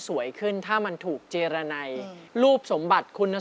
ขอบคุณพี่ตั๊กครับขอบคุณคัก